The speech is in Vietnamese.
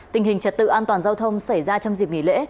tình hình trật tự an toàn giao thông xảy ra trong dịp nghỉ lễ